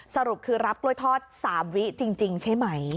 สรุปคือรับกล้วยทอด๓วิจริงใช่ไหม